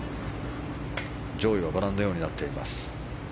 上位はご覧のようになっています。